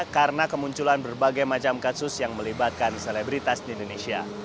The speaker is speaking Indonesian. karena kemunculan berbagai macam kasus yang melibatkan selebritas di indonesia